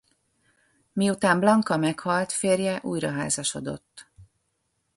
Miután Blanka meghalt férje újraházasodott.